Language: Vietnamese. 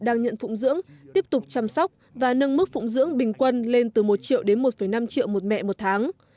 đang nhận phụng dưỡng tiếp tục chăm sóc và nâng mức phụng dưỡng bình quân lên từ một triệu đến một năm triệu một mẹ một tháng